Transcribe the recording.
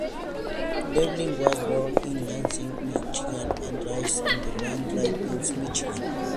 Devlin was born in Lansing, Michigan and raised in Grand Rapids, Michigan.